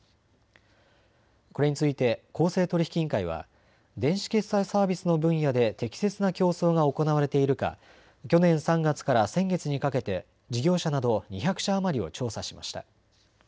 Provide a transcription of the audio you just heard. これについて公正取引委員会は電子決済サービスの分野で適切な競争が行われているか去年３月から先月にかけて事業者など２００社余りを調査しました。